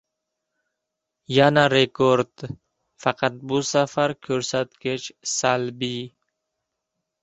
Yana rekord. Faqat bu safar ko‘rsatkich salbiy